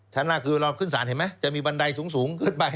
หน้าคือเราขึ้นศาลเห็นไหมจะมีบันไดสูงขึ้นไป